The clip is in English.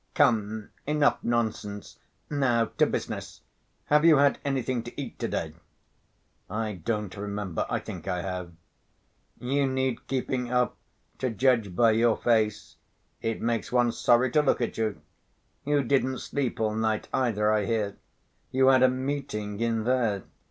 "Come, enough nonsense, now to business. Have you had anything to eat to‐ day?" "I don't remember.... I think I have." "You need keeping up, to judge by your face. It makes one sorry to look at you. You didn't sleep all night either, I hear, you had a meeting in there.